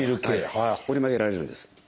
折り曲げられるんです。